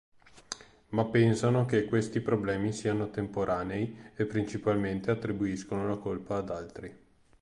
Ma pensano che questi problemi siano temporanei e principalmente attribuiscono la colpa ad altri.